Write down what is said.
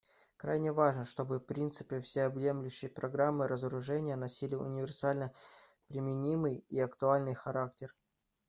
Крайне важно, чтобы принципы всеобъемлющей программы разоружения носили универсально применимый и актуальный характер.